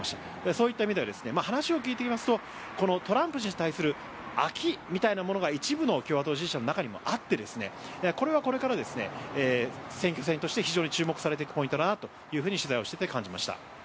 そういった意味では話を聞いていますとトランプ氏に対する飽きみたいなものが一部の共和党支持者の中にもあってこれはこれから選挙戦として非常に注目されているポイントだなと取材をしていて感じました。